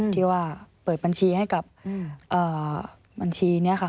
ที่ว่าเปิดบัญชีให้กับบัญชีนี้ค่ะ